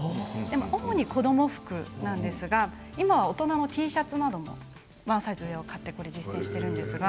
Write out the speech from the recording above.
主に子ども服なんですが今は大人のＴシャツなどもワンサイズ上を買って実践しています。